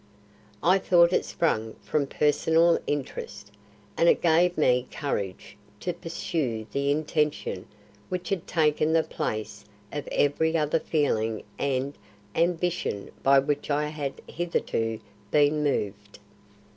I thought it sprang from personal interest, and it gave me courage to pursue the intention which had taken the place of every other feeling and ambition by which I had hitherto been moved.